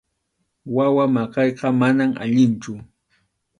Wawa maqayqa manam allinchu.